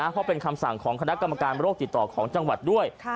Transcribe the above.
เพราะเป็นคำสั่งของคณะกรรมการโรคติดต่อของจังหวัดด้วย